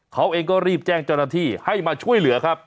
เขาเองก็รีบแจ้งจรภิกษาให้มาช่วยเหลือครับ